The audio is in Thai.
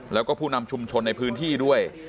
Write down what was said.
แล้วก็ผู้นำชุมชนในพื้นที่ด้วย